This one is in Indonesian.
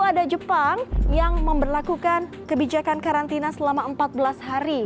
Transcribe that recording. selain itu ada jepang yang memberlakukan kebijakan karantina selama empat belas hari